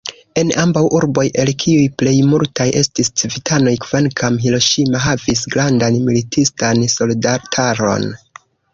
En ambaŭ urboj, el kiuj plejmultaj estis civitanoj, kvankam Hiroŝima havis grandan militistan soldataron.